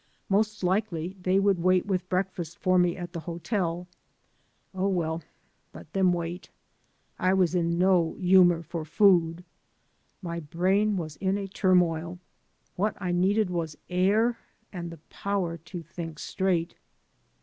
Most likely they would wait with breakfaist for me at the hotel; oh, well, let them wait. I was in no humor for food. My brain was in a turmoil. What I needed was air and the powe^ to think straight.